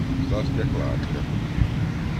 Saskia Clark